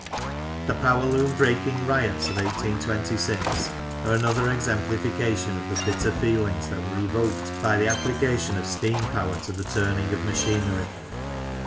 The power loom breaking riots of 1826 are another exemplification of the bitter feelings that were evoked by the application of steam power to the turning of machinery.